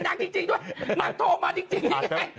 นางโทรมาจริงนางโทรมาจริงนางโทรมาจริง